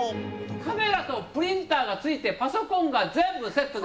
カメラとプリンターが付いて、パソコンが全部セットで。